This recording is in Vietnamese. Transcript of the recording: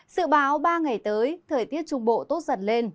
sự báo ba ngày tới thời tiết trung bộ tốt giật lên